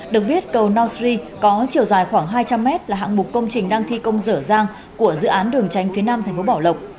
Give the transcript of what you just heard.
được biết cầu nau sri có chiều dài khoảng hai trăm linh m là hạng mục công trình đang thi công rở rang của dự án đường tránh phía nam tp bảo lộc